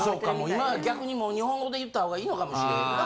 今は逆にもう日本語で言った方がいいのかもしれんな。